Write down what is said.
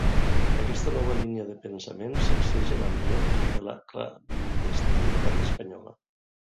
Aquesta nova línia de pensament sacseja l'ambient de la clandestinitat espanyola.